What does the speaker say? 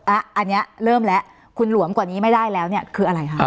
อันนี้เริ่มแล้วคุณหลวมกว่านี้ไม่ได้แล้วเนี่ยคืออะไรคะ